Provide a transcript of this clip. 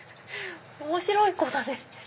面白い子だね。